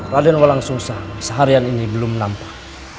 raden walang susah seharian ini belum nampak